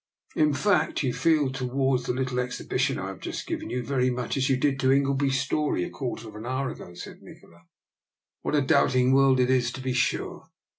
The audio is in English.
it In fact, you feel towards the little ex hibition I have just given you very much as you did to Ingleby's story a quarter of an hour ago," said Nikola, " What a doubting world it is, to be sure!